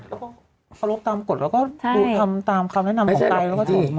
แล้วก็เคารพตามกฎแล้วก็ฟูคำตามคำแนะนำของใด